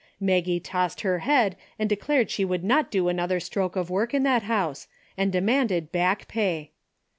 Maggie tossed her head and declared she would not do another stroke of work in that house, and demanded back pay.